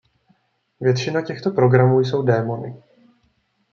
Většina těchto programů jsou démony.